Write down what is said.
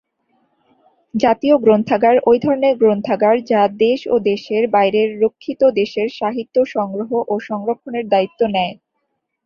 জাতীয় গ্রন্থাগার ঐ ধরনের গ্রন্থাগার যা দেশ ও দেশের বাইরের রক্ষিত দেশের সাহিত্য সংগ্রহ ও সংরক্ষণের দায়িত্ব নেয়।